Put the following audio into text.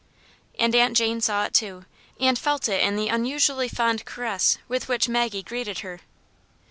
And Aunt Jane saw it too, and felt it in the un usually fond caress with which Maggie greeted her.